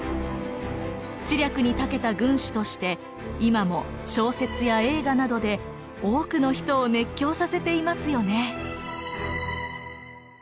知略に長けた軍師として今も小説や映画などで多くの人を熱狂させていますよね。